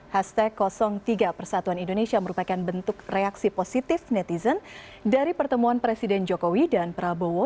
hashtag tiga persatuan indonesia merupakan bentuk reaksi positif netizen dari pertemuan presiden jokowi dan prabowo